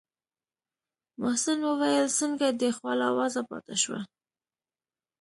محسن وويل څنگه دې خوله وازه پاته شوه.